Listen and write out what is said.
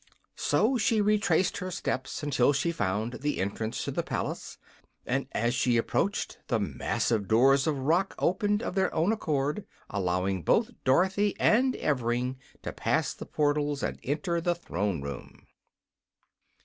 So she retraced her steps until she found the entrance to the palace, and as she approached, the massive doors of rock opened of their own accord, allowing both Dorothy and Evring to pass the portals and enter the throne room.